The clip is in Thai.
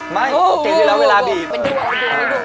ไม่เก่งอยู่แล้วเวลาบีบ